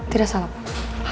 tidak salah pak